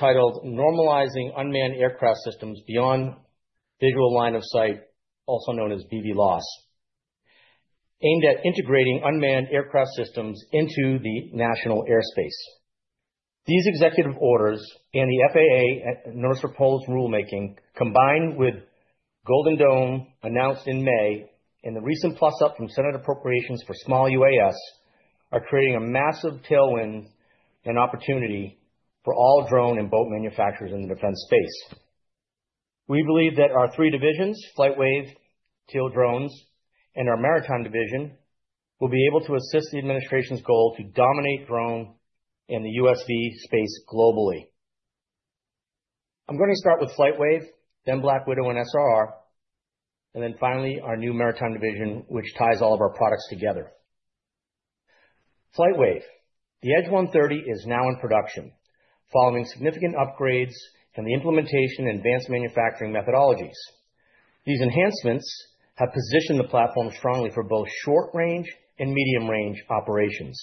Titled "Normalizing Unmanned Aircraft Systems Beyond Visual Line of Sight," also known as BVLOS, aimed at integrating unmanned aircraft systems into the national airspace. These executive orders and the FAA and NRSA proposed rulemaking, combined with Golden Dome announced in May and the recent plus-up from Senate appropriations for small UAS, are creating a massive tailwind and opportunity for all drone and boat manufacturers in the defense space. We believe that our three divisions, FlightWave, Teal Drones, and our maritime division, will be able to assist the administration's goal to dominate drone in the USV space globally. I'm going to start with FlightWave, then Black Widow and SRR, and then finally our new maritime division, which ties all of our products together. FlightWave, the Edge 130, is now in production, following significant upgrades in the implementation and advanced manufacturing methodologies. These enhancements have positioned the platform strongly for both short-range and medium-range operations.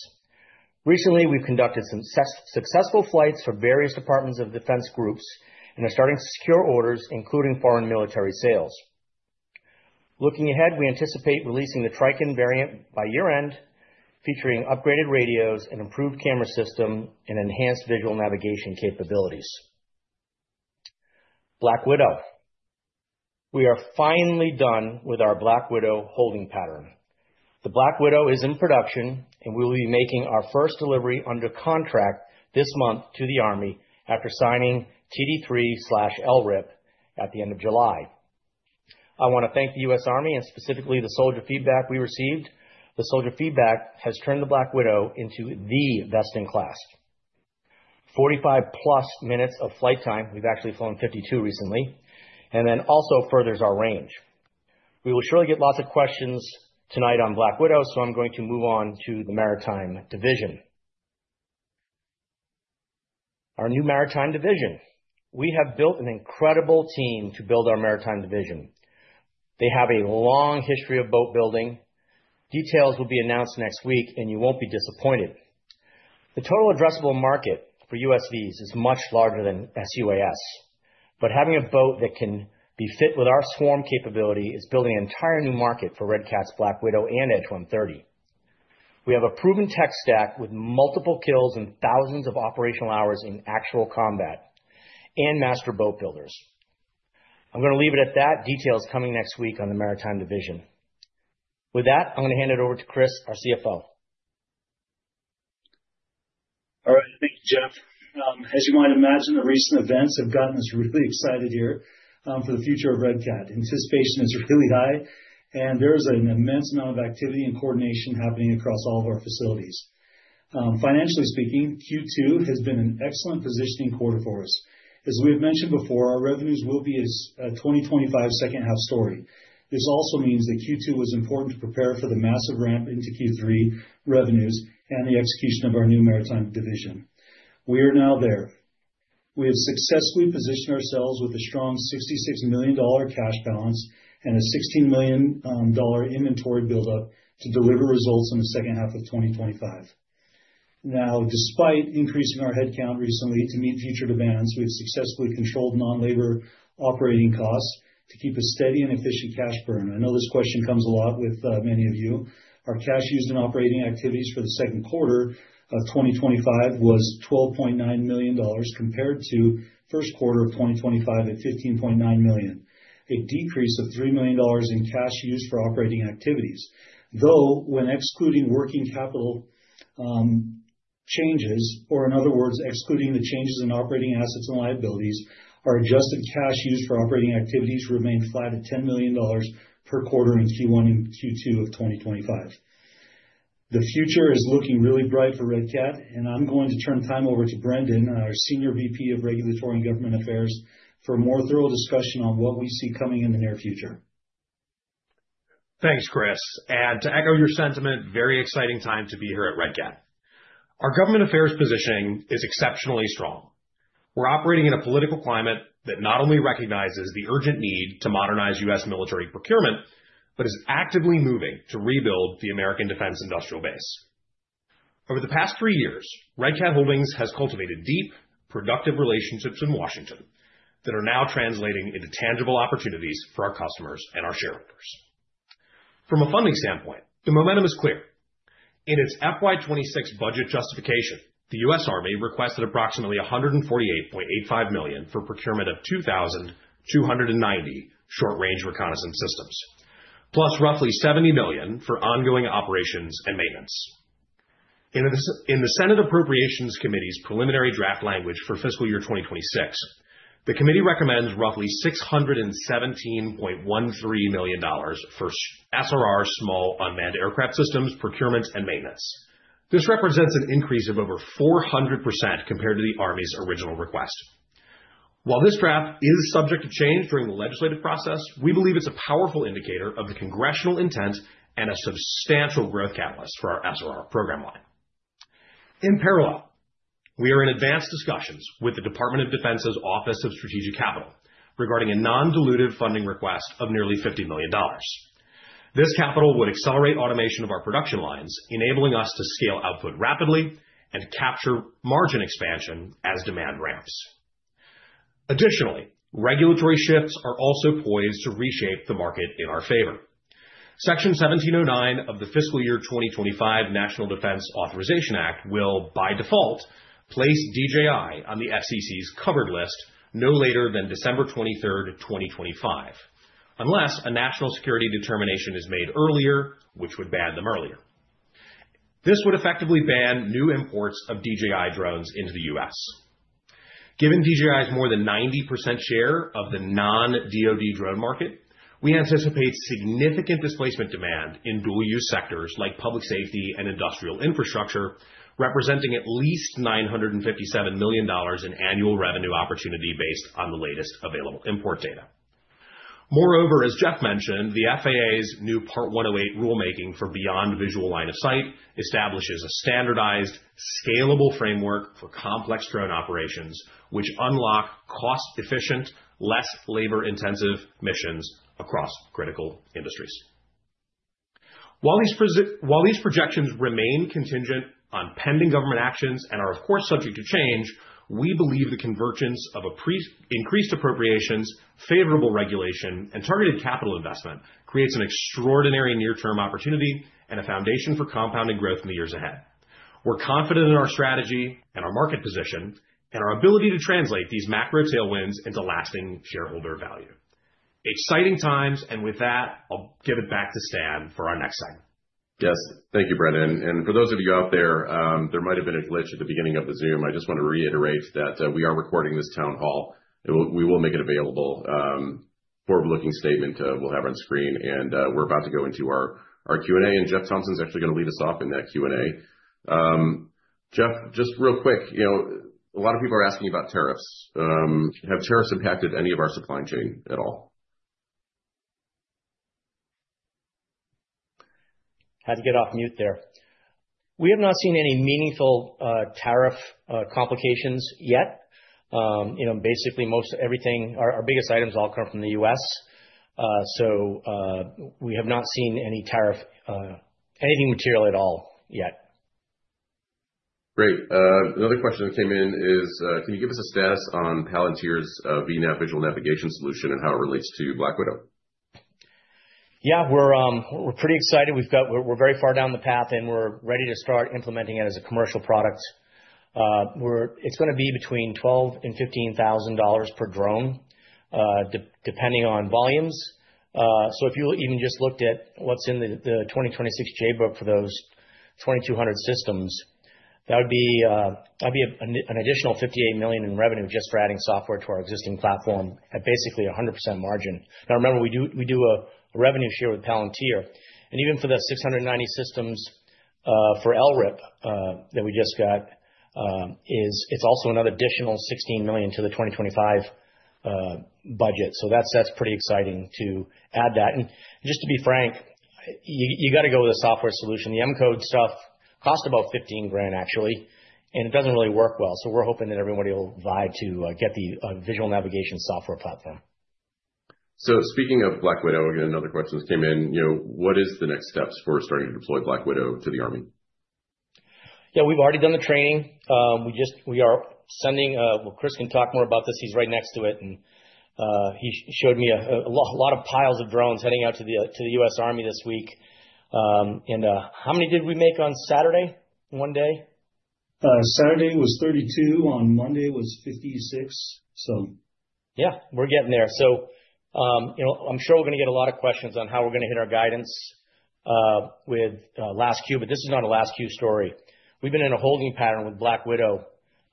Recently, we've conducted some successful flights for various Department of Defense groups and are starting secure orders, including foreign military sales. Looking ahead, we anticipate releasing the Trichon variant by year-end, featuring upgraded radios and improved camera systems and enhanced visual navigation capabilities. Black Widow, we are finally done with our Black Widow holding pattern. The Black Widow is in production, and we will be making our first delivery under contract this month to the Army after signing TD3/LRIP at the end of July. I want to thank the U.S. Army, and specifically the soldier feedback we received. The soldier feedback has turned the Black Widow into the best in class. 45+ minutes of flight time, we've actually flown 52 minutes recently, and then also furthers our range. We will surely get lots of questions tonight on Black Widow, so I'm going to move on to the maritime division. Our new maritime division, we have built an incredible team to build our maritime division. They have a long history of boat building. Details will be announced next week, and you won't be disappointed. The total addressable market for USVs is much larger than sUAS, but having a boat that can be fit with our swarm capability is building an entire new market for Red Cat's Black Widow, and Edge 130. We have a proven tech stack with multiple kills and thousands of operational hours in actual combat and master boat builders. I'm going to leave it at that. Details coming next week on the maritime division. With that, I'm going to hand it over to Chris, our CFO. All right. Thank you, Jeff. As you might imagine, the recent events have gotten us really excited here for the future of Red Cat. Anticipation is really high, and there is an immense amount of activity and coordination happening across all of our facilities. Financially speaking, Q2 has been an excellent positioning quarter for us. As we have mentioned before, our revenues will be a 2025 second-half story. This also means that Q2 was important to prepare for the massive ramp into Q3 revenues and the execution of our new maritime division. We are now there. We have successfully positioned ourselves with a strong $66 million cash balance and a $16 million inventory buildup to deliver results in the second half of 2025. Now, despite increasing our headcount recently to meet future demands, we've successfully controlled non-labor operating costs to keep a steady and efficient cash burn. I know this question comes a lot with many of you. Our cash used in operating activities for the second quarter of 2025 was $12.9 million compared to the first quarter of 2025 at $15.9 million, a decrease of $3 million in cash used for operating activities. Though, when excluding working capital changes, or in other words, excluding the changes in operating assets and liabilities, our adjusted cash used for operating activities remain flat at $10 million per quarter in Q1 and Q2 of 2025. The future is looking really bright for Red Cat, and I'm going to turn the time over to Brendan, our Senior VP of Regulatory and Government Affairs, for a more thorough discussion on what we see coming in the near future. Thanks, Chris. To echo your sentiment, very exciting time to be here at Red Cat. Our government affairs positioning is exceptionally strong. We're operating in a political climate that not only recognizes the urgent need to modernize U.S. military procurement but is actively moving to rebuild the American defense industrial base. Over the past three years, Red Cat Holdings has cultivated deep, productive relationships in Washington that are now translating into tangible opportunities for our customers and our shareholders. From a funding standpoint, the momentum is clear. In its FY 2026 budget justification, the U.S. Army requested approximately $148.85 million for procurement of 2,290 short-range reconnaissance systems, plus roughly $70 million for ongoing operations and maintenance. In the Senate Appropriations Committee's preliminary draft language for fiscal year 2026, the committee recommends roughly $617.13 million for SRR small unmanned aircraft systems procurement and maintenance. This represents an increase of over 400% compared to the Army's original request. While this draft is subject to change during the legislative process, we believe it's a powerful indicator of the congressional intent and a substantial growth catalyst for our SRR program line. In parallel, we are in advanced discussions with the Department of Defense’s Office of Strategic Capital regarding a non-dilutive funding request of nearly $50 million. This capital would accelerate automation of our production lines, enabling us to scale output rapidly and capture margin expansion as demand ramps. Additionally, regulatory shifts are also poised to reshape the market in our favor. Section 1709 of the Fiscal Year 2025 National Defense Authorization Act will, by default, place DJI on the FCC's covered list no later than December 23rd, 2025, unless a national security determination is made earlier, which would ban them earlier. This would effectively ban new imports of DJI drones into the U.S. Given DJI's more than 90% share of the non-DoD drone market, we anticipate significant displacement demand in dual-use sectors like public safety and industrial infrastructure, representing at least $957 million in annual revenue opportunity based on the latest available import data. Moreover, as Jeff mentioned, the FAA's new Part 108 rulemaking for Beyond Visual Line of Sight establishes a standardized, scalable framework for complex drone operations, which unlock cost-efficient, less labor-intensive missions across critical industries. While these projections remain contingent on pending government actions and are, of course, subject to change, we believe the convergence of increased appropriations, favorable regulation, and targeted capital investment creates an extraordinary near-term opportunity and a foundation for compounding growth in the years ahead. We're confident in our strategy and our market position and our ability to translate these macro tailwinds into lasting shareholder value. Exciting times, and with that, I'll give it back to Stan for our next segment. Yes. Thank you, Brendan. For those of you out there, there might have been a glitch at the beginning of the Zoom. I just want to reiterate that we are recording this town hall, and we will make it available. Forward-looking statement will have on screen, and we're about to go into our Q&A, and Jeff Thompson's actually going to lead us off in that Q&A. Jeff, just real quick, you know a lot of people are asking about tariffs. Have tariffs impacted any of our supply chain at all? We have not seen any meaningful tariff complications yet. Basically, most everything, our biggest items all come from the U.S. We have not seen any tariff, anything material at all yet. Great. Another question that came in is, can you give us a status on Palantir's VNav visual navigation solution and how it relates to Black Widow? Yeah, we're pretty excited. We're very far down the path, and we're ready to start implementing it as a commercial product. It's going to be between $12,000 and $15,000 per drone, depending on volumes. If you even just looked at what's in the 2026 JBOK for those 2,200 systems, that would be an additional $58 million in revenue just for adding software to our existing platform at basically 100% margin. Now remember, we do a revenue share with Palantir. Even for the 690 systems for LRIP that we just got, it's also an additional $16 million to the 2025 budget. That's pretty exciting to add that. Just to be frank, you got to go with a software solution. The M-code stuff cost about $15,000, actually, and it doesn't really work well. We're hoping that everybody will vow to get the visual navigation software platform. Speaking of Black Widow, again, another question that came in. What is the next steps for starting to deploy Black Widow to the Army? Yeah, we've already done the training. Chris can talk more about this. He's right next to it, and he showed me a lot of piles of drones heading out to the U.S. Army this week. How many did we make on Saturday, one day? Saturday was 32. On Monday was 56. Yeah, we're getting there. I'm sure we're going to get a lot of questions on how we're going to hit our guidance with last Q, but this is not a last Q story. We've been in a holding pattern with Black Widow,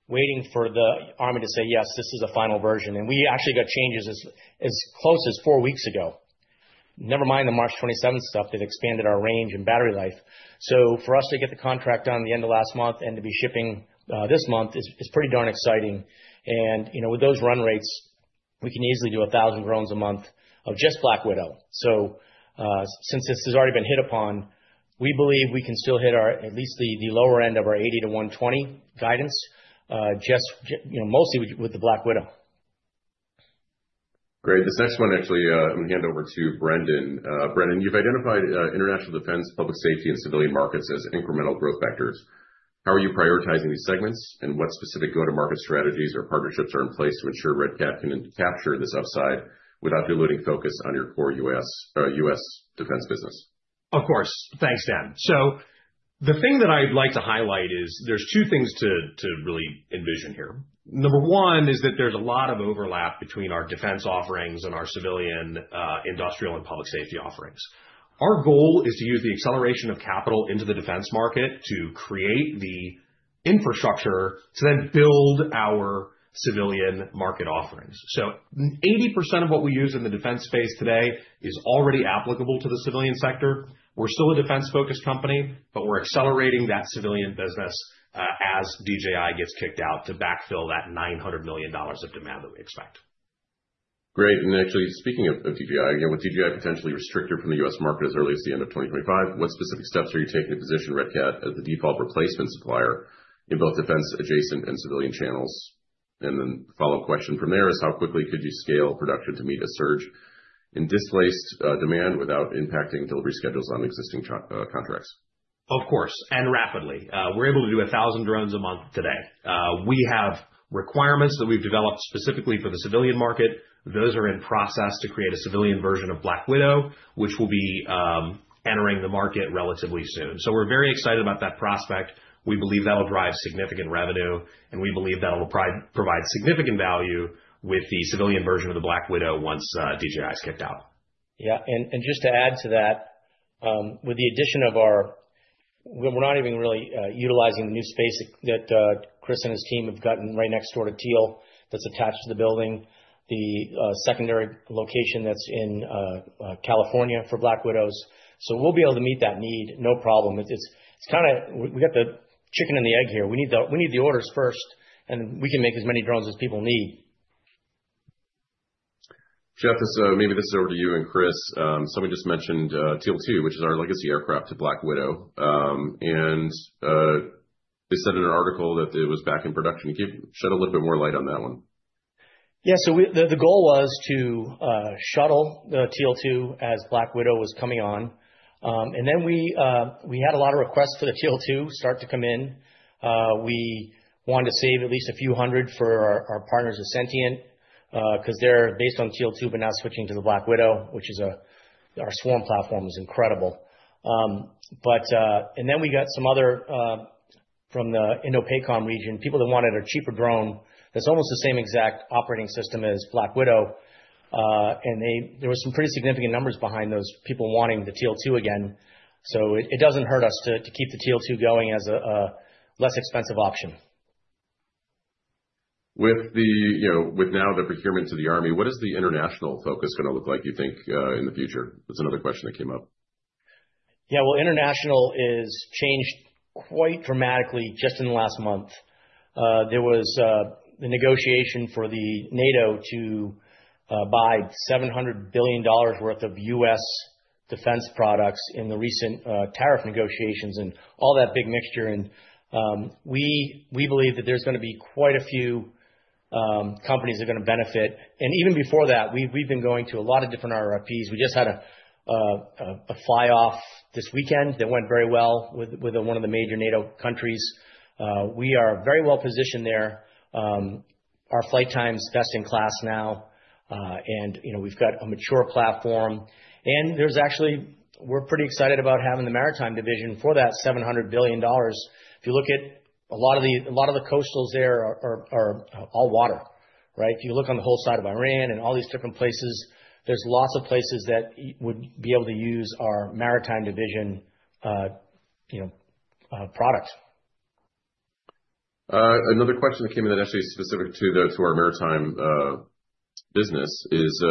waiting for the Army to say, yes, this is a final version. We actually got changes as close as four weeks ago. Never mind the March 27th stuff that expanded our range and battery life. For us to get the contract done at the end of last month and to be shipping this month is pretty darn exciting. With those run rates, we can easily do 1,000 drones a month of just Black Widow. Since this has already been hit upon, we believe we can still hit at least the lower end of our 80-120 guidance, just mostly with the Black Widow. Great. This next one, I'm going to hand over to Brendan. Brendan, you've identified international defense, public safety, and civilian markets as incremental growth vectors. How are you prioritizing these segments, and what specific go-to-market strategies or partnerships are in place to ensure Red Cat can capture this upside without diluting focus on your core U.S. defense business? Of course. Thanks, Stan. The thing that I'd like to highlight is there's two things to really envision here. Number one is that there's a lot of overlap between our defense offerings and our civilian, industrial, and public safety offerings. Our goal is to use the acceleration of capital into the defense market to create the infrastructure to then build our civilian market offerings. 80% of what we use in the defense space today is already applicable to the civilian sector. We're still a defense-focused company, but we're accelerating that civilian business as DJI gets kicked out to backfill that $900 million of demand that we expect. Great. Actually, speaking of DJI, with DJI potentially restricted from the U.S. market as early as the end of 2025, what specific steps are you taking to position Red Cat as the default replacement supplier in both defense-adjacent and civilian channels? The follow-up question from there is, how quickly could you scale production to meet a surge in displaced demand without impacting delivery schedules on existing contracts? Of course, and rapidly. We're able to do 1,000 drones a month today. We have requirements that we've developed specifically for the civilian market. Those are in process to create a civilian version of Black Widow, which will be entering the market relatively soon. We're very excited about that prospect. We believe that'll drive significant revenue, and we believe that'll provide significant value with the civilian version of the Black Widow once DJI is kicked out. Yeah, and just to add to that, with the addition of our, when we're not even really utilizing the new space that Chris and his team have gotten right next door to Teal that's attached to the building, the secondary location that's in California for Black Widow. We'll be able to meet that need, no problem. It's kind of, we got the chicken and the egg here. We need the orders first, and then we can make as many drones as people need. Jeff, maybe this is over to you and Chris. Somebody just mentioned Teal 2, which is our legacy aircraft to Black Widow. They said in an article that it was back in production. Shed a little bit more light on that one. Yeah, the goal was to shuttle Teal 2 as Black Widow was coming on. We had a lot of requests for the Teal 2 start to come in. We wanted to save at least a few hundred for our partners at Sentien because they're based on Teal 2 but now switching to the Black Widow, which is our swarm platform, is incredible. We got some other from the Indo-Pacom region, people that wanted a cheaper drone that's almost the same exact operating system as Black Widow. There were some pretty significant numbers behind those people wanting the Teal 2 again. It doesn't hurt us to keep the Teal 2 going as a less expensive option. With now the procurements of the Army, what is the international focus going to look like, you think, in the future? That's another question that came up. International has changed quite dramatically just in the last month. There was a negotiation for NATO to buy $700 billion worth of U.S. defense products in the recent tariff negotiations and all that big mixture. We believe that there's going to be quite a few companies that are going to benefit. Even before that, we've been going to a lot of different RFPs. We just had a fly-off this weekend that went very well with one of the major NATO countries. We are very well positioned there. Our flight time is best in class now, and we've got a mature platform. We're pretty excited about having the maritime division for that $700 billion. If you look at a lot of the coastals, there are all water, right? If you look on the whole side of Iran and all these different places, there's lots of places that would be able to use our maritime division products. Another question that came in that's specific to our maritime business is,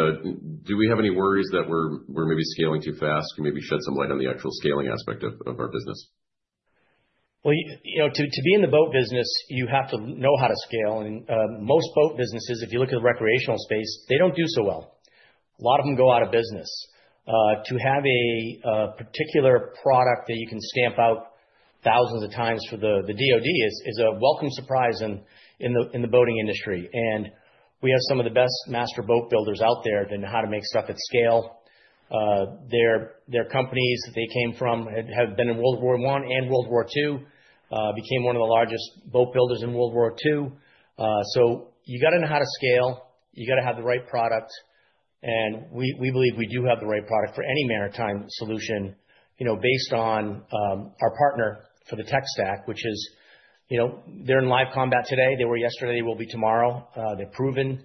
do we have any worries that we're maybe scaling too fast? Can you maybe shed some light on the actual scaling aspect of our business? To be in the boat business, you have to know how to scale. Most boat businesses, if you look at the recreational space, don't do so well. A lot of them go out of business. To have a particular product that you can stamp out thousands of times for the DoD is a welcome surprise in the boating industry. We have some of the best master boat builders out there that know how to make stuff at scale. Their companies that they came from have been in World War I and World War II, became one of the largest boat builders in World War II. You have to know how to scale. You have to have the right product. We believe we do have the right product for any maritime solution based on our partner for the tech stack, which is, you know, they're in live combat today. They were yesterday. They will be tomorrow. They're proven.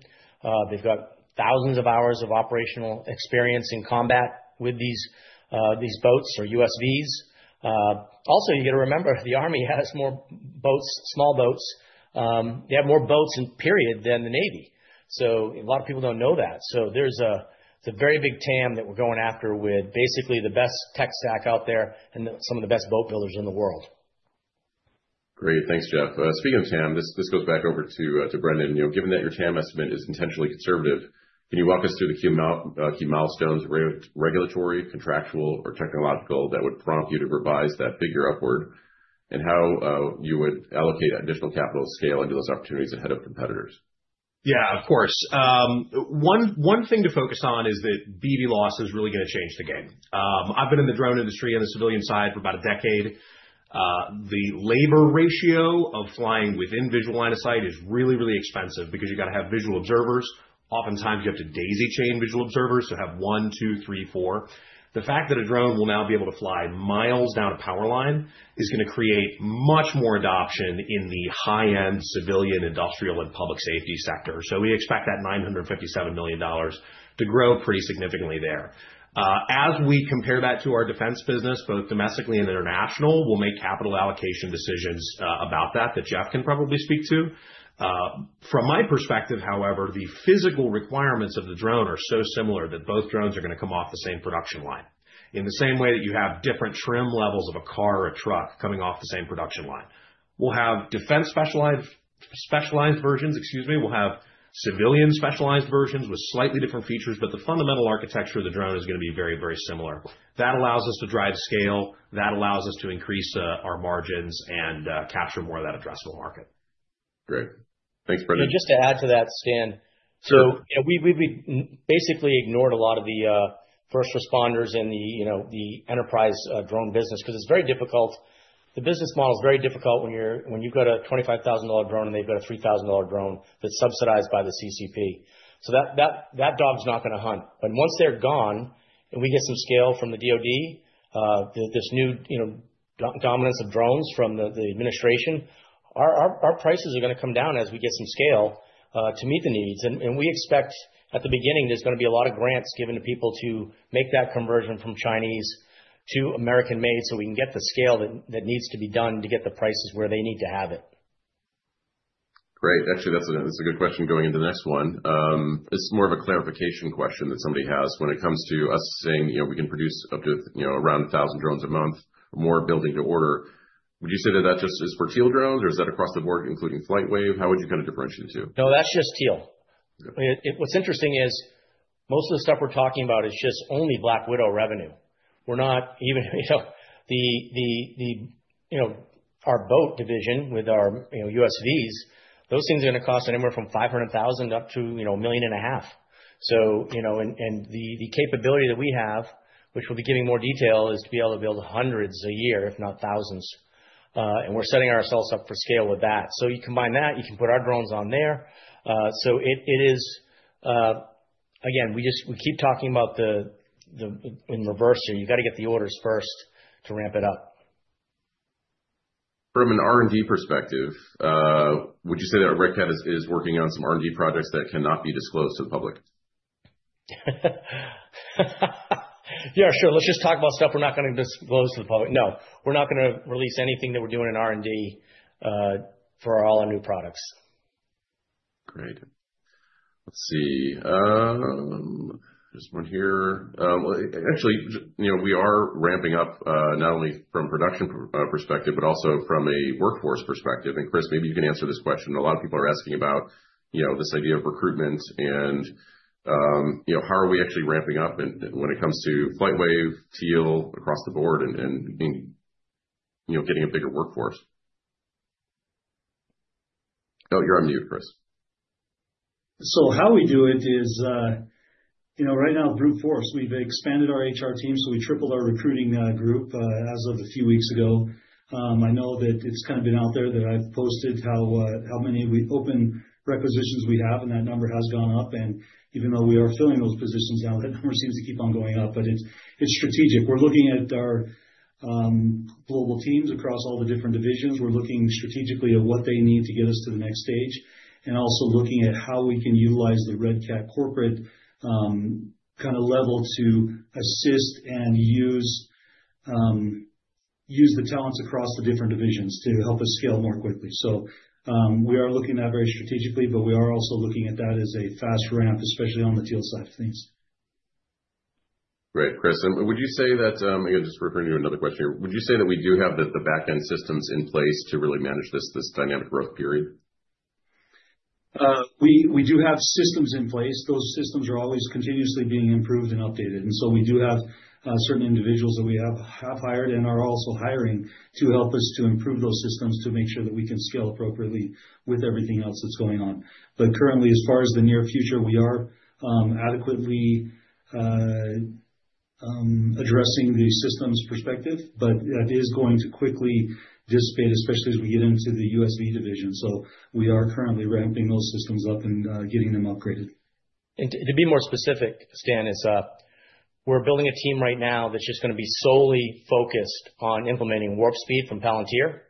They've got thousands of hours of operational experience in combat with these boats or USVs. Also, you have to remember, the Army has more boats, small boats. They have more boats in period than the Navy. A lot of people don't know that. There's a very big TAM that we're going after with basically the best tech stack out there and some of the best boat builders in the world. Great. Thanks, Jeff. Speaking of TAM, this goes back over to Brendan. Given that your TAM estimate is intentionally conservative, can you walk us through the key milestones of regulatory, contractual, or technological that would prompt you to revise that figure upward, and how you would allocate additional capital to scale and do those opportunities ahead of competitors? Yeah, of course. One thing to focus on is that BVLOS is really going to change the game. I've been in the drone industry on the civilian side for about a decade. The labor ratio of flying within visual line of sight is really, really expensive because you got to have visual observers. Oftentimes, you have to daisy chain visual observers, so have one, two, three, four. The fact that a drone will now be able to fly miles down a power line is going to create much more adoption in the high-end civilian, industrial, and public safety sector. We expect that $957 million to grow pretty significantly there. As we compare that to our defense business, both domestically and international, we'll make capital allocation decisions about that that Jeff can probably speak to. From my perspective, however, the physical requirements of the drone are so similar that both drones are going to come off the same production line. In the same way that you have different trim levels of a car or a truck coming off the same production line, we'll have defense specialized versions, excuse me, we'll have civilian specialized versions with slightly different features, but the fundamental architecture of the drone is going to be very, very similar. That allows us to drive scale. That allows us to increase our margins and capture more of that addressable market. Great. Thanks, Brendan. To add to that, Stan, we basically ignored a lot of the first responders in the enterprise drone business because it's very difficult. The business model is very difficult when you've got a $25,000 drone and they've got a $3,000 drone that's subsidized by the CCP. That dog's not going to hunt. Once they're gone and we get some scale from the DoD, this new dominance of drones from the administration, our prices are going to come down as we get some scale to meet the needs. We expect at the beginning there's going to be a lot of grants given to people to make that conversion from Chinese to American-made so we can get the scale that needs to be done to get the prices where they need to have it. Great. Actually, that's a good question going into this one. It's more of a clarification question that somebody has. When it comes to us saying, you know, we can produce up to around 1,000 drones a month, more building to order, would you say that that just is for Teal Drones, or is that across the board, including FlightWave? How would you kind of differentiate the two? No, that's just Teal. What's interesting is most of the stuff we're talking about is just only Black Widow revenue. We're not even, you know, our boat division with our USVs, those things are going to cost anywhere from $500,000 up to $1.5 million. The capability that we have, which we'll be giving more detail, is to be able to build hundreds a year, if not thousands. We're setting ourselves up for scale with that. You combine that, you can put our drones on there. It is, again, we just keep talking about the in reverse here. You've got to get the orders first to ramp it up. From an R&D perspective, would you say that Red Cat is working on some R&D projects that cannot be disclosed to the public? Yeah, sure. Let's just talk about stuff we're not going to disclose to the public. No, we're not going to release anything that we're doing in R&D for all our new products. Great. Let's see. This one here. You know, we are ramping up not only from a production perspective, but also from a workforce perspective. Chris, maybe you can answer this question. A lot of people are asking about this idea of recruitment and how are we actually ramping up when it comes to FlightWave, Teal across the board and getting a bigger workforce? Oh, you're on mute, Chris. How we do it is, right now, brute force, we've expanded our HR team, so we tripled our recruiting group as of a few weeks ago. I know that it's kind of been out there that I've posted how many open requisitions we have, and that number has gone up. Even though we are filling those positions now, that number seems to keep on going up. It's strategic. We're looking at our global teams across all the different divisions. We're looking strategically at what they need to get us to the next stage and also looking at how we can utilize the Red Cat corporate kind of level to assist and use the talents across the different divisions to help us scale more quickly. We are looking at that very strategically, but we are also looking at that as a fast ramp, especially on the Teal side of things. Great. Chris, would you say that, just referring to another question here, would you say that we do have the backend systems in place to really manage this dynamic growth period? We do have systems in place. Those systems are always continuously being improved and updated. We do have certain individuals that we have hired and are also hiring to help us to improve those systems to make sure that we can scale appropriately with everything else that's going on. Currently, as far as the near future, we are adequately addressing the systems perspective. That is going to quickly dissipate, especially as we get into the USV division. We are currently ramping those systems up and getting them upgraded. To be more specific, Stan, we're building a team right now that's just going to be solely focused on implementing warp speed from Palantir.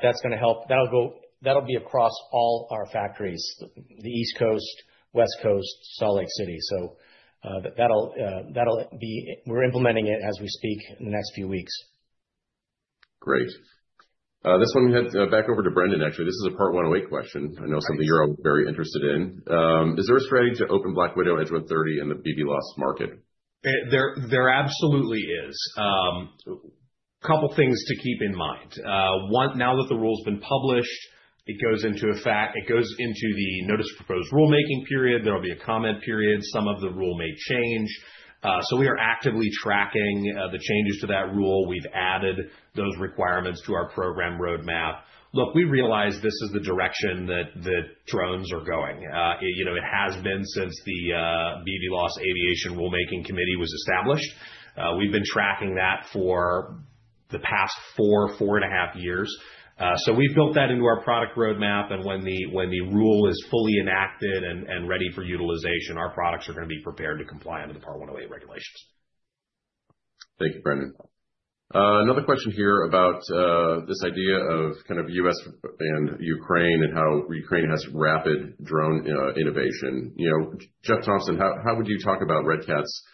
That's going to help. That'll go across all our factories, the East Coast, West Coast, Salt Lake City. We're implementing it as we speak in the next few weeks. Great. This one we head back over to Brendan, actually. This is a Part 108 question. I know something you're very interested in. Is there a strategy to open Black Widow and Edge 130 in the BVLOS market? There absolutely is. A couple of things to keep in mind. One, now that the rule's been published, it goes into the notice of proposed rulemaking period. There'll be a comment period. Some of the rule may change. We are actively tracking the changes to that rule. We've added those requirements to our program roadmap. We realize this is the direction that the drones are going. It has been since the BVLOS Aviation Rulemaking Committee was established. We've been tracking that for the past four, four and a half years. We've built that into our product roadmap. When the rule is fully enacted and ready for utilization, our products are going to be prepared to comply under the Part 108 regulations. Thank you, Brendan. Another question here about this idea of kind of U.S. and Ukraine and how Ukraine has rapid drone innovation. You know, Jeff Thompson, how would you talk about Red Cat's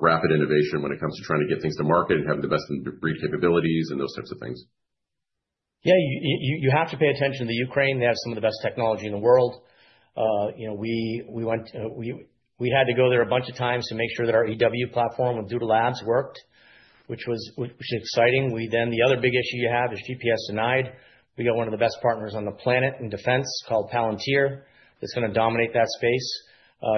rapid innovation when it comes to trying to get things to market and having the best in breed capabilities and those types of things? Yeah, you have to pay attention. Ukraine has some of the best technology in the world. You know, we had to go there a bunch of times to make sure that our EW platform with Doodle Labs worked, which was exciting. The other big issue you have is GPS denied. We got one of the best partners on the planet in defense called Palantir that's going to dominate that space.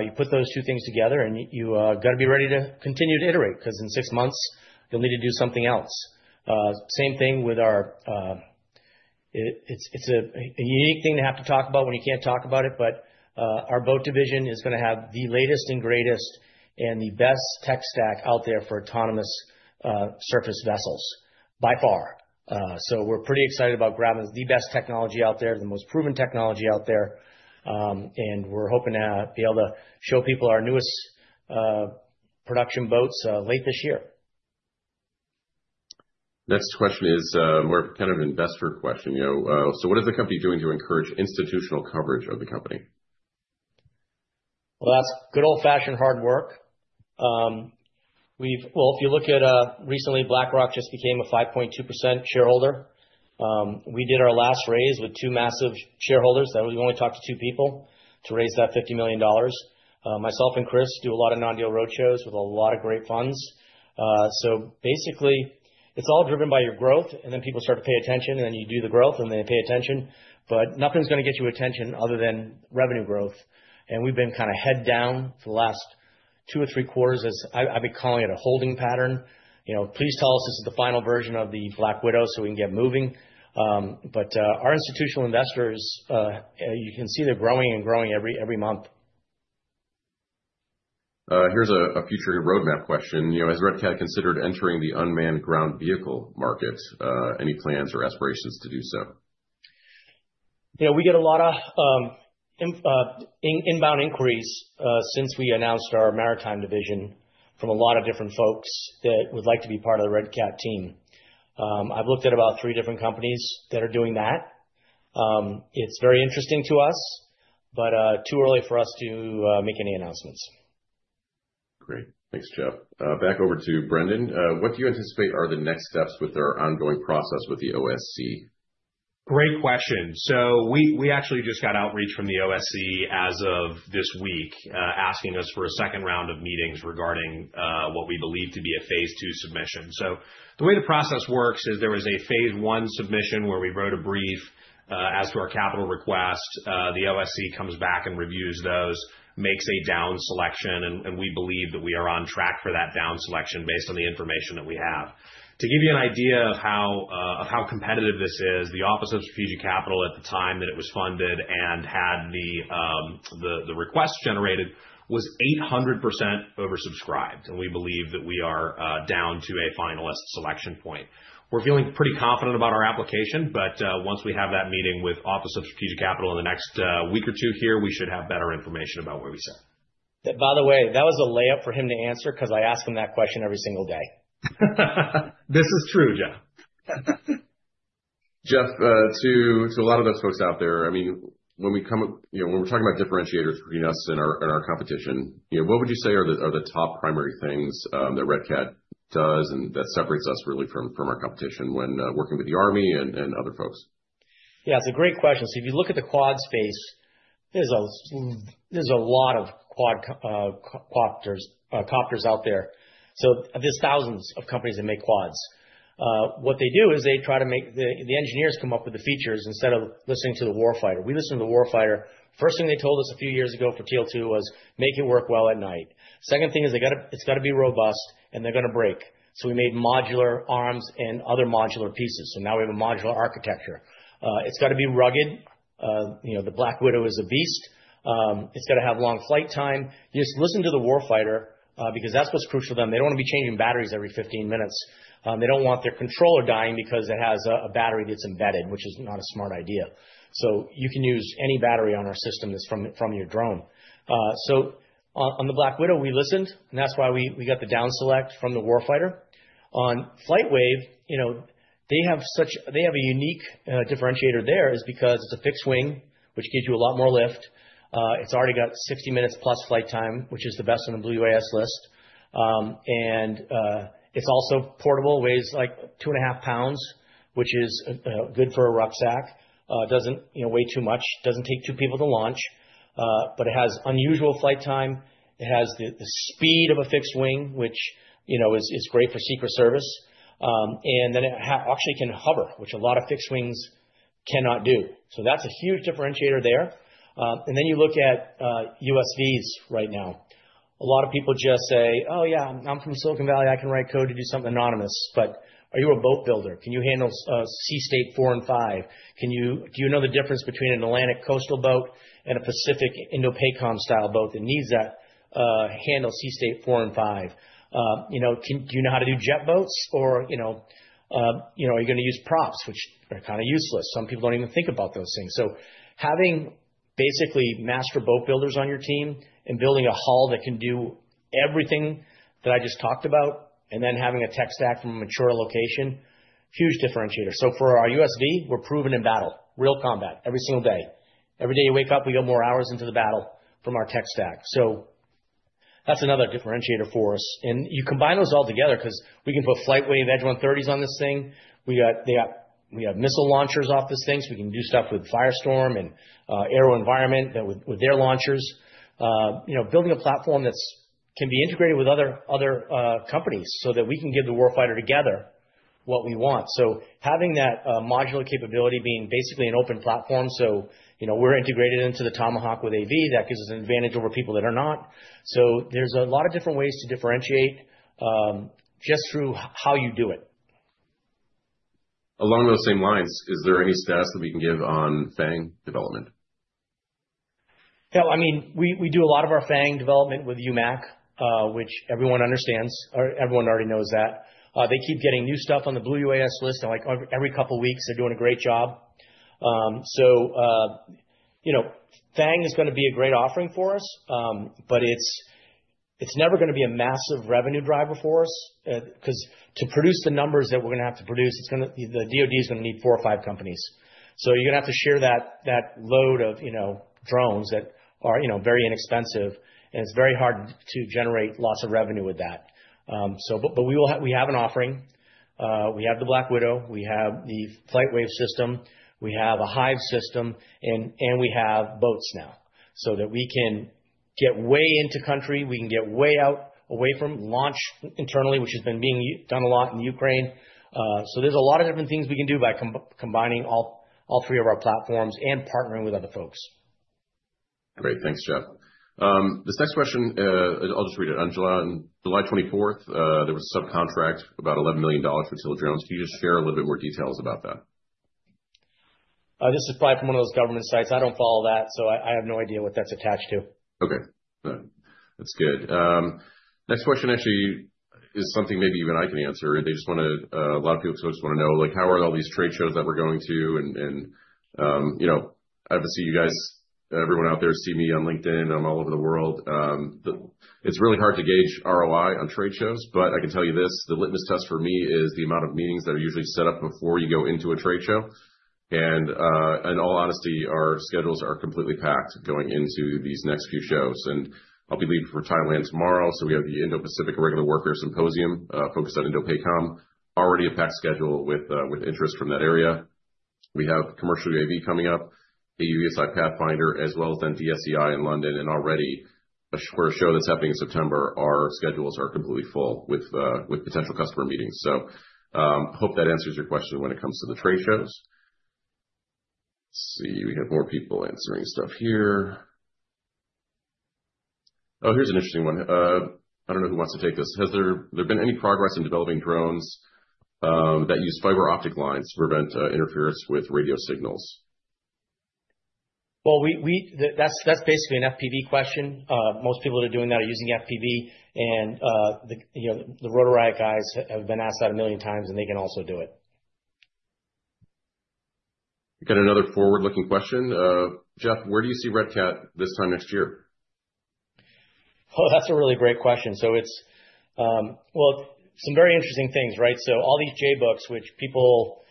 You put those two things together, and you got to be ready to continue to iterate because in six months, you'll need to do something else. It's a unique thing to have to talk about when you can't talk about it, but our maritime division is going to have the latest and greatest and the best tech stack out there for autonomous surface vessels by far. We're pretty excited about grabbing the best technology out there, the most proven technology out there. We're hoping to be able to show people our newest production boats late this year. Next question is more of a kind of investor question. What is the company doing to encourage institutional coverage of the company? That is good old-fashioned hard work. If you look at recently, BlackRock just became a 5.2% shareholder. We did our last raise with two massive shareholders. We only talked to two people to raise that $50 million. Myself and Chris do a lot of non-deal roadshows with a lot of great funds. Basically, it's all driven by your growth, and then people start to pay attention, and then you do the growth, and they pay attention. Nothing is going to get your attention other than revenue growth. We've been kind of head down for the last two or three quarters. I've been calling it a holding pattern. Please tell us this is the final version of the Black Widow so we can get moving. Our institutional investors, you can see they're growing and growing every month. Here's a future roadmap question. Has Red Cat considered entering the unmanned ground vehicle markets? Any plans or aspirations to do so? Yeah, we get a lot of inbound inquiries since we announced our maritime division from a lot of different folks that would like to be part of the Red Cat team. I've looked at about three different companies that are doing that. It's very interesting to us, but too early for us to make any announcements. Great. Thanks, Jeff. Back over to Brendan. What do you anticipate are the next steps with our ongoing process with the OSC? Great question. We actually just got outreach from the OSC as of this week, asking us for a second round of meetings regarding what we believe to be a phase II submission. The way the process works is there was a phase I submission where we wrote a brief as to our capital request. The OSC comes back and reviews those, makes a down selection, and we believe that we are on track for that down selection based on the information that we have. To give you an idea of how competitive this is, the Office of Strategic Capital at the time that it was funded and had the request generated was 800% oversubscribed. We believe that we are down to a finalist selection point. We're feeling pretty confident about our application, but once we have that meeting with the Office of Strategic Capital in the next week or two here, we should have better information about where we sit. By the way, that was a layup for him to answer because I ask him that question every single day. This is true, Jeff. Jeff, to a lot of us folks out there, when we're talking about differentiators between us and our competition, what would you say are the top primary things that Red Cat does and that separates us really from our competition when working with the Army and other folks? Yeah, it's a great question. If you look at the quad space, there's a lot of quadcopters out there. There are thousands of companies that make quads. What they do is they try to make the engineers come up with the features instead of listening to the warfighter. We listened to the warfighter. First thing they told us a few years ago for Teal 2 was make it work well at night. Second thing is it's got to be robust and they're going to break. We made modular arms and other modular pieces. Now we have a modular architecture. It's got to be rugged. The Black Widow is a beast. It's got to have long flight time. Just listen to the warfighter because that's what's crucial to them. They don't want to be changing batteries every 15 minutes. They don't want their controller dying because it has a battery that's embedded, which is not a smart idea. You can use any battery on our system that's from your drone. On the Black Widow, we listened, and that's why we got the down select from the warfighter. On FlightWave, they have a unique differentiator there because it's a fixed wing, which gives you a lot more lift. It's already got 60 minutes plus flight time, which is the best on the Blue UAS list. It's also portable, weighs like 2.5 lbs, which is good for a rucksack. It doesn't weigh too much. It doesn't take two people to launch. It has unusual flight time. It has the speed of a fixed wing, which is great for Secret Service. It actually can hover, which a lot of fixed wings cannot do. That's a huge differentiator there. You look at USVs right now. A lot of people just say, oh, yeah, I'm from Silicon Valley. I can write code to do something autonomous. Are you a boat builder? Can you handle sea state 4 and 5? Do you know the difference between an Atlantic coastal boat and a Pacific Indo-Pacom style boat that needs to handle sea state 4 and 5? Do you know how to do jet boats? Are you going to use props, which are kind of useless? Some people don't even think about those things. Having basically master boat builders on your team and building a hull that can do everything that I just talked about and then having a tech stack from a mature location is a huge differentiator. For our USV, we're proven in battle, real combat, every single day. Every day you wake up, we go more hours into the battle from our tech stack. That's another differentiator for us. You combine those all together because we can put FlightWave Edge 130s on this thing. We have missile launchers off this thing, so we can do stuff with Firestorm and AeroVironment with their launchers. Building a platform that can be integrated with other companies so that we can give the warfighter together what we want. Having that modular capability, being basically an open platform, you know we're integrated into the Tomahawk with AV. That gives us an advantage over people that are not. There are a lot of different ways to differentiate just through how you do it. Along those same lines, is there any stats that we can give on FAANG development? We do a lot of our FAANG development with UMAC, which everyone understands. Everyone already knows that. They keep getting new stuff on the Blue UAS list, and like every couple of weeks, they're doing a great job. FAANG is going to be a great offering for us, but it's never going to be a massive revenue driver for us because to produce the numbers that we're going to have to produce, the DoD is going to need four or five companies. You're going to have to share that load of drones that are very inexpensive, and it's very hard to generate lots of revenue with that. We have an offering. We have the Black Widow. We have the FlightWave system. We have a Hive system, and we have boats now so that we can get way into country. We can get way out away from launch internally, which has been being done a lot in Ukraine. There are a lot of different things we can do by combining all three of our platforms and partnering with other folks. Great. Thanks, Jeff. This next question, I'll just read it. On July 24th, there was a subcontract about $11 million for Teal Drones. Can you just share a little bit more details about that? This is probably from one of those government sites. I don't follow that, so I have no idea what that's attached to. Okay. That's good. Next question actually is something maybe even I can answer. They just want to, a lot of people want to know, like how are all these trade shows that we're going to? You know, obviously, you guys, everyone out there see me on LinkedIn. I'm all over the world. It's really hard to gauge ROI on trade shows, but I can tell you this. The litmus test for me is the amount of meetings that are usually set up before you go into a trade show. In all honesty, our schedules are completely packed going into these next few shows. I'll be leaving for Thailand tomorrow, so we have the Indo-Pacific Regular Worker Symposium focused on Indo-Pacom, already a packed schedule with interest from that area. We have Commercial UAV coming up, AUVSI d, as well as DSEI in London. Already for a show that's happening in September, our schedules are completely full with potential customer meetings. I hope that answers your question when it comes to the trade shows. Let's see. We have more people answering stuff here. Oh, here's an interesting one. I don't know who wants to take this. Has there been any progress in developing drones that use fiber optic lines to prevent interference with radio signals? That's basically an FPV question. Most people that are doing that are using FPV, and the Rotor Riot guys have been asked that a million times, and they can also do it. We got another forward-looking question. Jeff, where do you see Red Cat this time next year? Oh, that's a really great question. It's some very interesting things, right? All these JBOKs, which people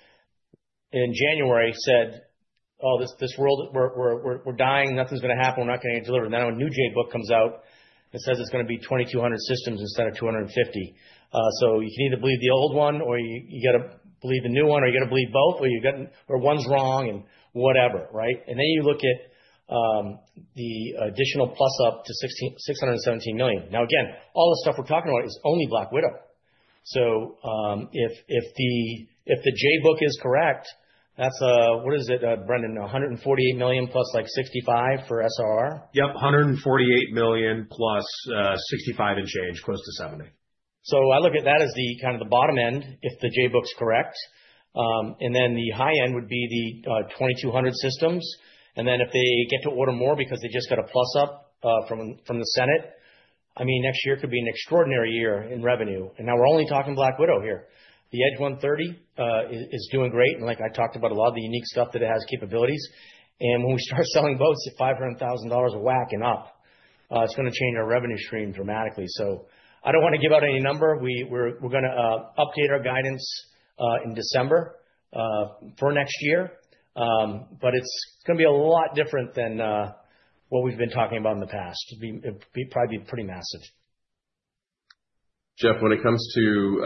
in January said, oh, this world, we're dying, nothing's going to happen, we're not going to deliver. Then a new JBOK comes out and says it's going to be 2,200 systems instead of 250. You can either believe the old one, or you got to believe the new one, or you got to believe both, or one's wrong and whatever, right? You look at the additional plus up to $617 million. Again, all the stuff we're talking about is only Black Widow. If the JBOK is correct, that's a, what is it, Brendan, $148 million plus like $65 million for SRR? Yep, $148 million plus $65 and change, close to $70. I look at that as kind of the bottom end if the JBOK's correct. The high end would be the 2,200 systems. If they get to order more because they just got a plus up from the Senate, next year could be an extraordinary year in revenue. We're only talking Black Widow here. The Edge 130 is doing great. Like I talked about, a lot of the unique stuff that it has capabilities. When we start selling boats at $500,000 a whack and up, it's going to change our revenue stream dramatically. I don't want to give out any number. We're going to update our guidance in December for next year. It's going to be a lot different than what we've been talking about in the past. It'll probably be pretty massive. Jeff, when it comes to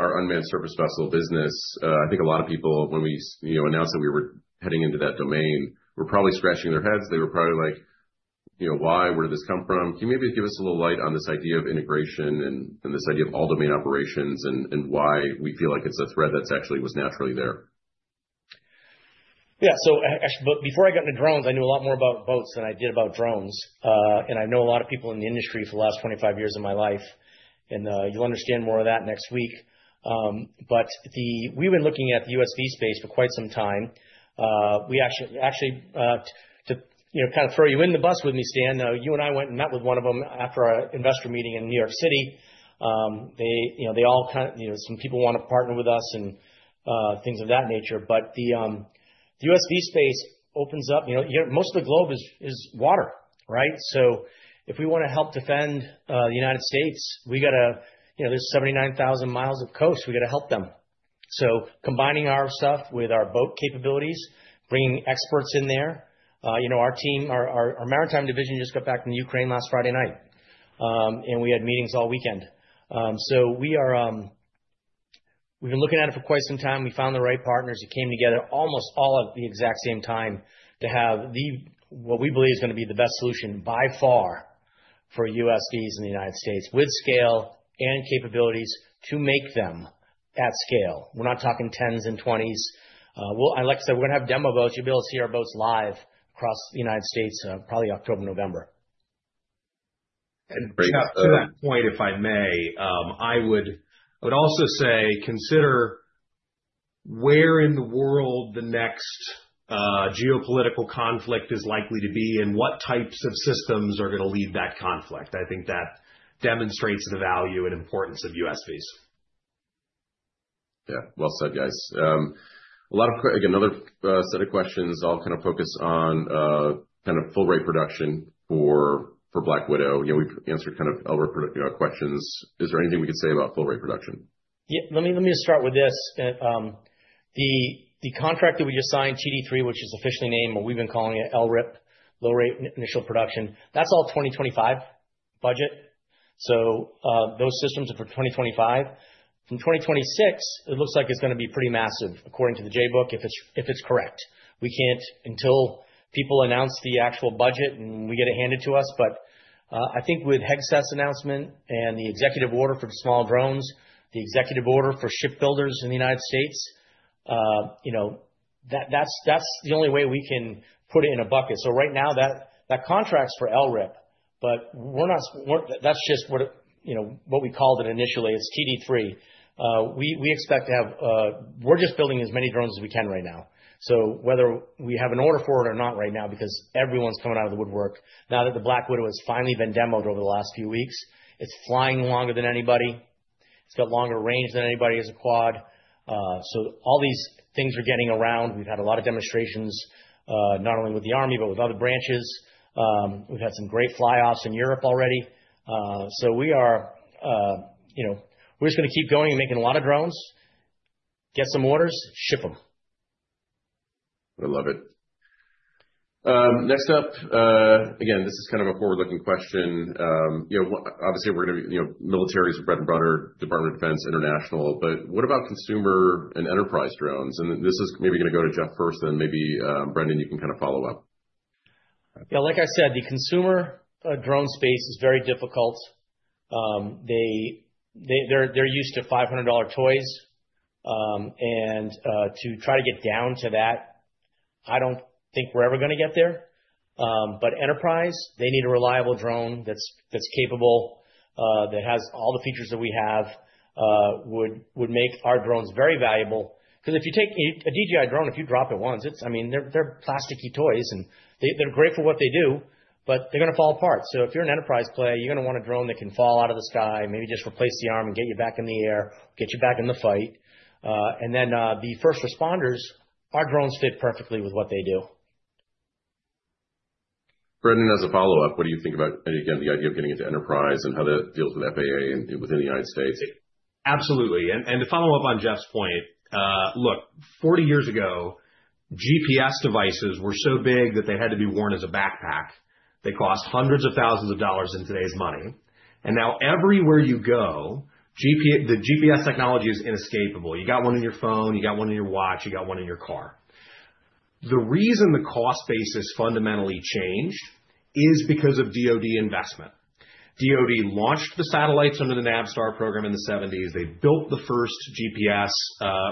our unmanned surface vessel business, I think a lot of people, when we announced that we were heading into that domain, were probably scratching their heads. They were probably like, you know, why? Where did this come from? Can you maybe give us a little light on this idea of integration and this idea of all-domain operations and why we feel like it's a thread that actually was naturally there? Yeah, so before I got into drones, I knew a lot more about boats than I did about drones. I know a lot of people in the industry for the last 25 years of my life. You'll understand more of that next week. We've been looking at the USV space for quite some time. To kind of throw you in the bus with me, Stan, you and I went and met with one of them after our investor meeting in New York City. Some people want to partner with us and things of that nature. The USV space opens up. Most of the globe is water, right? If we want to help defend the United States, we got to, you know, there's 79,000 mi of coast. We got to help them. Combining our stuff with our boat capabilities, bringing experts in there, our team, our maritime division just got back from Ukraine last Friday night. We had meetings all weekend. We are, we've been looking at it for quite some time. We found the right partners. It came together almost all at the exact same time to have what we believe is going to be the best solution by far for USVs in the United States with scale and capabilities to make them at scale. We're not talking tens and twenties. Like I said, we're going to have demo boats. You'll be able to see our boats live across the United States probably October, November. To that point, if I may, I would also say consider where in the world the next geopolitical conflict is likely to be and what types of systems are going to lead that conflict. I think that demonstrates the value and importance of USVs. Yeah, well said, guys. Another set of questions all kind of focus on full-rate production for Black Widow. You know, we've answered kind of LRIP questions. Is there anything we could say about full-rate production? Let me just start with this. The contract that we just signed, TD3, which is officially named, and we've been calling it LRIP, low rate initial production, that's all 2025 budget. Those systems are for 2025. From 2026, it looks like it's going to be pretty massive according to the JBOK if it's correct. We can't until people announce the actual budget and we get it handed to us. I think with Hegseth announcement and the executive order for small drones, the executive order for shipbuilders in the United States, that's the only way we can put it in a bucket. Right now, that contract's for LRIP. That's just what we called it initially. It's TD3. We expect to have, we're just building as many drones as we can right now. Whether we have an order for it or not right now, because everyone's coming out of the woodwork, now that the Black Widow has finally been demoed over the last few weeks, it's flying longer than anybody. It's got longer range than anybody as a quad. All these things are getting around. We've had a lot of demonstrations, not only with the Army, but with other branches. We've had some great fly-offs in Europe already. We're just going to keep going and making a lot of drones, get some orders, ship them. I love it. Next up, again, this is kind of a forward-looking question. Obviously, we're going to be military is a bread and butter, Department of Defense, international. What about consumer and enterprise drones? This is maybe going to go to Jeff first, and maybe Brendan, you can kind of follow up. Yeah, like I said, the consumer drone space is very difficult. They're used to $500 toys, and to try to get down to that, I don't think we're ever going to get there. Enterprise, they need a reliable drone that's capable, that has all the features that we have, would make our drones very valuable. If you take a DJI drone, if you drop it once, I mean, they're plasticky toys, and they're great for what they do, but they're going to fall apart. If you're an enterprise play, you're going to want a drone that can fall out of the sky, maybe just replace the arm and get you back in the air, get you back in the fight. The first responders, our drones fit perfectly with what they do. Brendan, as a follow-up, what do you think about, again, the idea of getting into enterprise and how that deals with FAA and within the U.S.? Absolutely. To follow up on Jeff's point, look, 40 years ago, GPS devices were so big that they had to be worn as a backpack. They cost hundreds of thousands of dollars in today's money. Now everywhere you go, the GPS technology is inescapable. You got one in your phone, you got one in your watch, you got one in your car. The reason the cost base has fundamentally changed is because of DoD investment. DoD launched the satellites under the NavStar program in the 1970s. They built the first GPS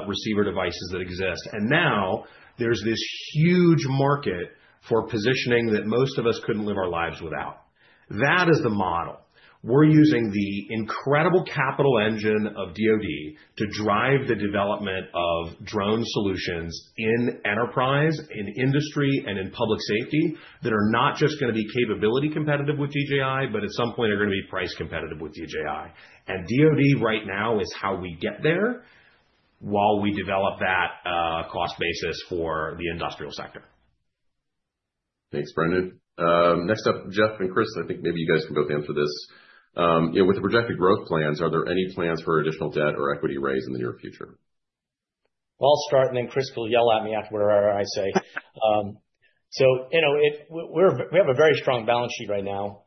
receiver devices that exist. Now there's this huge market for positioning that most of us couldn't live our lives without. That is the model. We're using the incredible capital engine of DoD to drive the development of drone solutions in enterprise, in industry, and in public safety that are not just going to be capability competitive with DJI, but at some point are going to be price competitive with DJI. DoD right now is how we get there while we develop that cost basis for the industrial sector. Thanks, Brendan. Next up, Jeff and Chris, I think maybe you guys can both answer this. With the projected growth plans, are there any plans for additional debt or equity raise in the near future? I'll start, and then Chris will yell at me after whatever I say. We have a very strong balance sheet right now.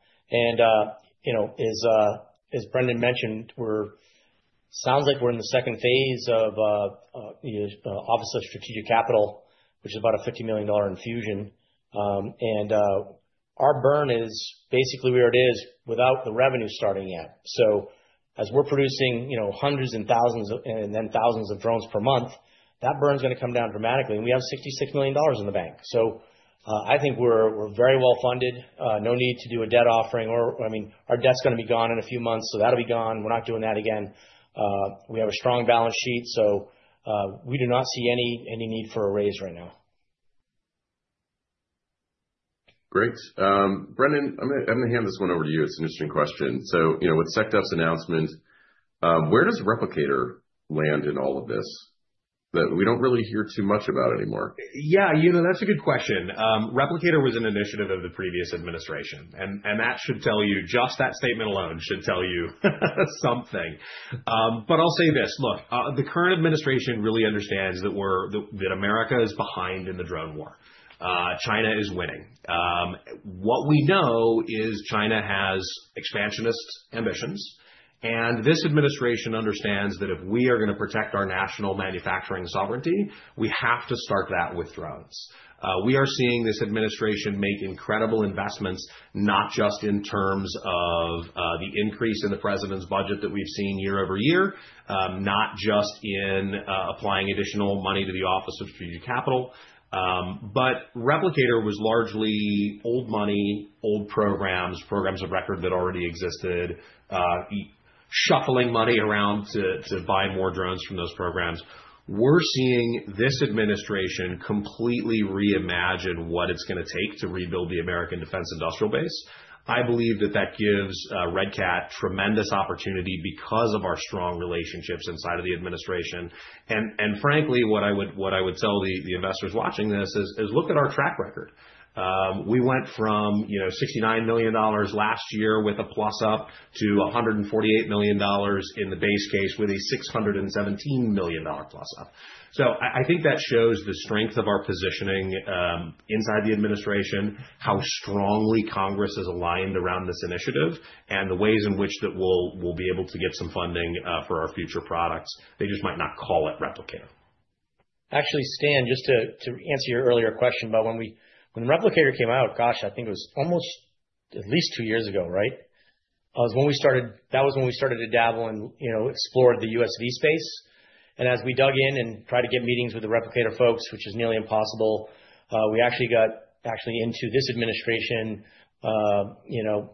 As Brendan mentioned, it sounds like we're in the second phase of the Office of Strategic Capital, which is about a $50 million infusion. Our burn is basically where it is without the revenue starting yet. As we're producing hundreds and thousands and then thousands of drones per month, that burn's going to come down dramatically. We have $66 million in the bank. I think we're very well funded. No need to do a debt offering. I mean, our debt's going to be gone in a few months, so that'll be gone. We're not doing that again. We have a strong balance sheet, so we do not see any need for a raise right now. Great. Brendan, I'm going to hand this one over to you. It's an interesting question. You know, with SecDef's announcement, where does Replicator land in all of this that we don't really hear too much about anymore? Yeah, you know, that's a good question. Replicator was an initiative of the previous administration. That should tell you, just that statement alone should tell you something. I'll say this. Look, the current administration really understands that America is behind in the drone war. China is winning. What we know is China has expansionist ambitions. This administration understands that if we are going to protect our national manufacturing sovereignty, we have to start that with drones. We are seeing this administration make incredible investments, not just in terms of the increase in the President's budget that we've seen year-over-year, not just in applying additional money to the Office of Strategic Capital. Replicator was largely old money, old programs, programs of record that already existed, shuffling money around to buy more drones from those programs. We're seeing this administration completely reimagine what it's going to take to rebuild the American defense industrial base. I believe that gives Red Cat tremendous opportunity because of our strong relationships inside of the administration. Frankly, what I would tell the investors watching this is look at our track record. We went from $69 million last year with a plus up to $148 million in the base case with a $617 million plus up. I think that shows the strength of our positioning inside the administration, how strongly Congress is aligned around this initiative and the ways in which we'll be able to get some funding for our future products. They just might not call it Replicator. Actually, Stan, just to answer your earlier question about when Replicator came out, I think it was almost at least two years ago, right? That was when we started to dabble and explore the USV space. As we dug in and tried to get meetings with the Replicator folks, which is nearly impossible, we actually got into this administration, you know,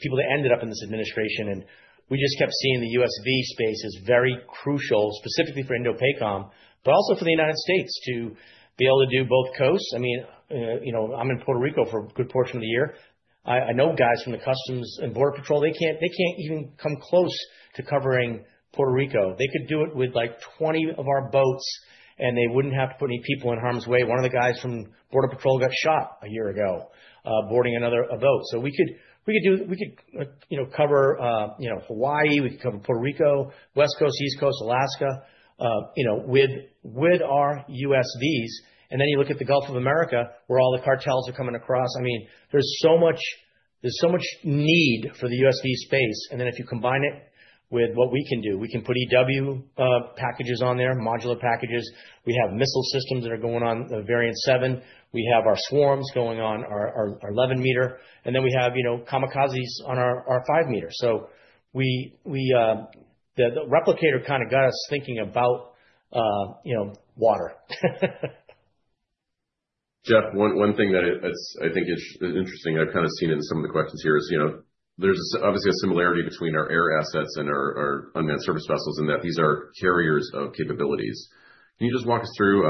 people that ended up in this administration. We just kept seeing the USV space as very crucial, specifically for Indo-Pacom, but also for the United States to be able to do both coasts. I mean, you know, I'm in Puerto Rico for a good portion of the year. I know guys from the Customs and Border Patrol, they can't even come close to covering Puerto Rico. They could do it with like 20 of our boats, and they wouldn't have to put any people in harm's way. One of the guys from Border Patrol got shot a year ago boarding another boat. We could do it. We could cover Hawaii. We could cover Puerto Rico, West Coast, East Coast, Alaska, you know, with our USVs. You look at the Gulf of America where all the cartels are coming across. There is so much need for the USV space. If you combine it with what we can do, we can put EW packages on there, modular packages. We have missile systems that are going on the variant 7. We have our swarms going on our 11 m. We have kamikazes on our 5 m. The Replicator kind of got us thinking about water. Jeff, one thing that I think is interesting, I've kind of seen in some of the questions here is, you know, there's obviously a similarity between our air assets and our unmanned surface vessels in that these are carriers of capabilities. Can you just walk us through,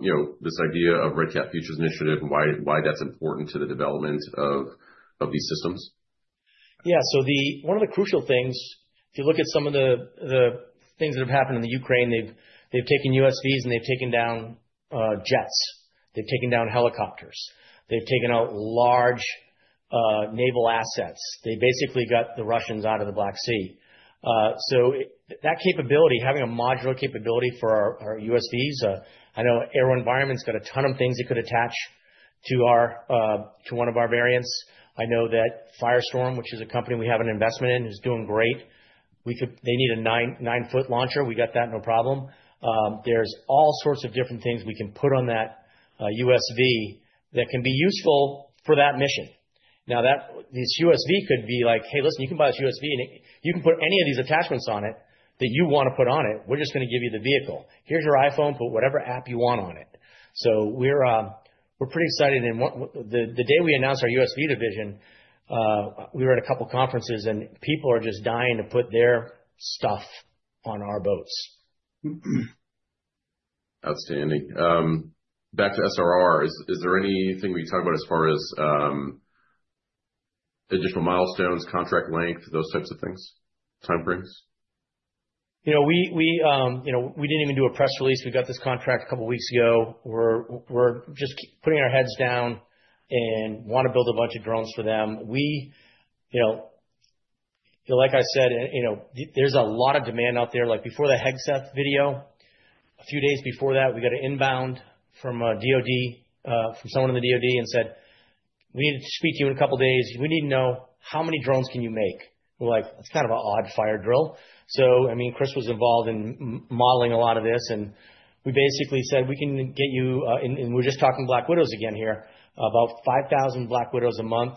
you know, this idea of Red Cat Futures Initiative and why that's important to the development of these systems? Yeah, so one of the crucial things, if you look at some of the things that have happened in Ukraine, they've taken USVs and they've taken down jets. They've taken down helicopters. They've taken out large naval assets. They basically got the Russians out of the Black Sea. That capability, having a modular capability for our USVs, I know AeroVironment's got a ton of things it could attach to one of our variants. I know that Firestorm, which is a company we have an investment in, is doing great. They need a 9 ft launcher. We got that, no problem. There are all sorts of different things we can put on that USV that can be useful for that mission. Now, this USV could be like, hey, listen, you can buy this USV and you can put any of these attachments on it that you want to put on it. We're just going to give you the vehicle. Here's your iPhone, put whatever app you want on it. We're pretty excited. The day we announced our USV division, we were at a couple of conferences and people are just dying to put their stuff on our boats. Outstanding. Back to SRR, is there anything we talked about as far as additional milestones, contract length, those types of things, time frames? We didn't even do a press release. We got this contract a couple of weeks ago. We're just putting our heads down and want to build a bunch of drones for them. Like I said, there's a lot of demand out there. Before the Hegseth video, a few days before that, we got an inbound from DoD, from someone in the DoD, and said, we need to speak to you in a couple of days. We need to know how many drones can you make? We're like, that's kind of an odd fire drill. Chris was involved in modeling a lot of this. We basically said, we can get you, and we're just talking Black Widows again here, about 5,000 Black Widows a month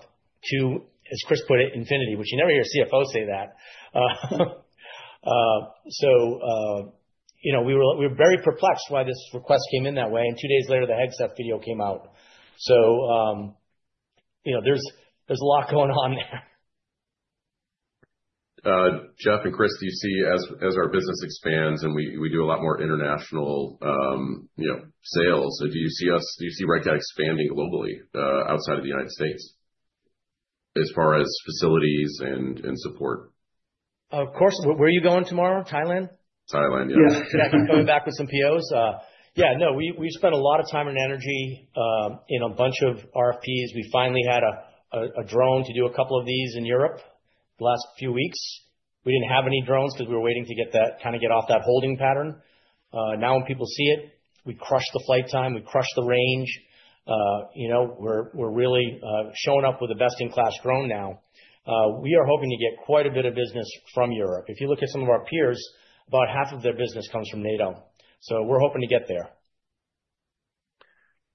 to, as Chris put it, infinity, which you never hear a CFO say that. We were very perplexed why this request came in that way. Two days later, the Hegseth video came out. There's a lot going on there. Jeff and Chris, do you see, as our business expands and we do a lot more international sales, do you see Red Cat expanding globally outside of the U.S. as far as facilities and support? Of course. Where are you going tomorrow? Thailand? Thailand, yeah. Yeah, that could be coming back with some POs. We spent a lot of time and energy in a bunch of RFPs. We finally had a drone to do a couple of these in Europe the last few weeks. We didn't have any drones because we were waiting to kind of get off that holding pattern. Now when people see it, we crushed the flight time. We crushed the range. We're really showing up with a best-in-class drone now. We are hoping to get quite a bit of business from Europe. If you look at some of our peers, about half of their business comes from NATO. We're hoping to get there.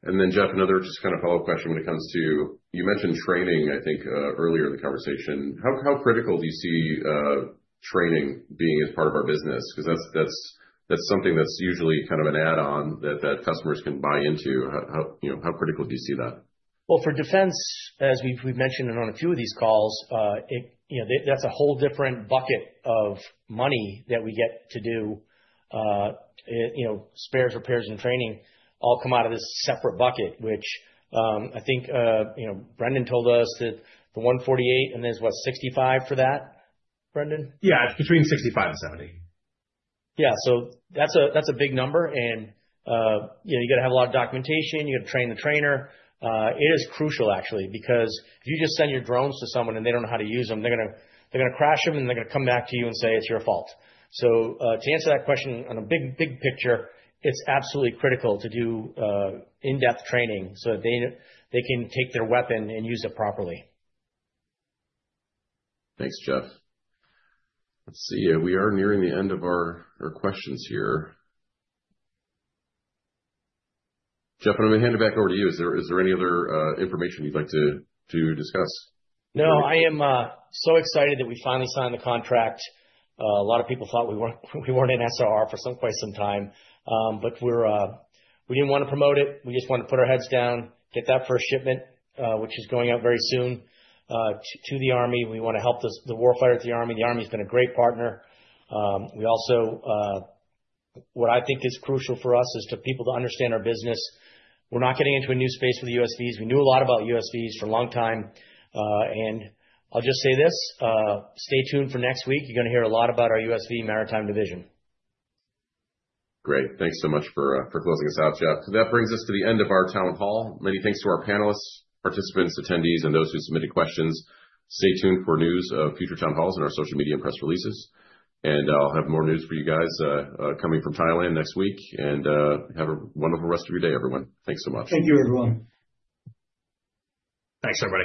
Jeff, another just kind of follow-up question when it comes to, you mentioned training, I think, earlier in the conversation. How critical do you see training being as part of our business? That's something that's usually kind of an add-on that customers can buy into. How critical do you see that? For defense, as we've mentioned on a few of these calls, that's a whole different bucket of money that we get to do spares, repairs, and training all come out of this separate bucket, which I think Brendan told us that the $148 million and there's, what, $65 million for that, Brendan? Yeah, between $65 million and $70 million. Yeah, that's a big number. You got to have a lot of documentation. You got to train the trainer. It is crucial, actually, because if you just send your drones to someone and they don't know how to use them, they're going to crash them and they're going to come back to you and say it's your fault. To answer that question on a big, big picture, it's absolutely critical to do in-depth training so that they can take their weapon and use it properly. Thanks, Jeff. Let's see here. We are nearing the end of our questions here. Jeff, I'm going to hand it back over to you. Is there any other information you'd like to discuss? No, I am so excited that we finally signed the contract. A lot of people thought we weren't in SRR for quite some time, but we didn't want to promote it. We just wanted to put our heads down, get that first shipment, which is going out very soon to the Army. We want to help the warfighters of the Army. The Army's been a great partner. What I think is crucial for us is for people to understand our business. We're not getting into a new space for the USVs. We knew a lot about USVs for a long time. I'll just say this, stay tuned for next week. You're going to hear a lot about our USV maritime division. Great. Thanks so much for closing us out, Jeff. That brings us to the end of our town hall. Many thanks to our panelists, participants, attendees, and those who submitted questions. Stay tuned for news of future town halls and our social media and press releases. I'll have more news for you guys coming from Thailand next week. Have a wonderful rest of your day, everyone. Thanks so much. Thank you, everyone. Thanks, everybody.